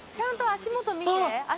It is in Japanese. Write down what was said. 足元見て。